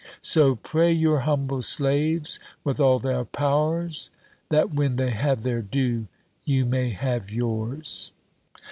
_ So pray your humble slaves with all their powers, That when they have their due, you may have yours.